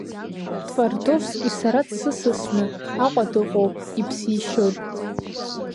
Твардовски сара дсысасны Аҟәа дыҟоуп, иԥсишьоит.